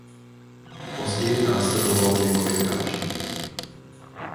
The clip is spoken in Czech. Později následovalo několik dalších.